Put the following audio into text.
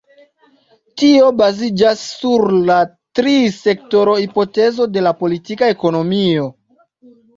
Tio baziĝas sur la tri-sektoro-hipotezo de la politika ekonomio.